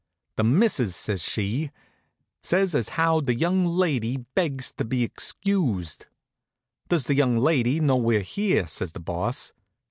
"Th' Missus," says she, "says as how the young lady begs to be 'xcused." "Does the young lady know we're here?" says the Boss.